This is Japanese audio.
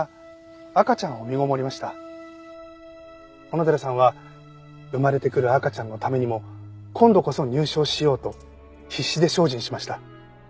小野寺さんは生まれてくる赤ちゃんのためにも今度こそ入賞しようと必死で精進しました。